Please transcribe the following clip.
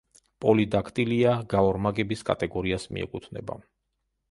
პოლიდაქტილია გაორმაგების კატეგორიას მიეკუთვნება.